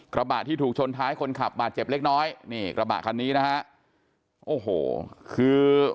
กระบะที่ถูกชนท้ายคนขับบาดเจ็บเล็กน้อยนี่กระบะคันนี้นะฮะโอ้โหคือ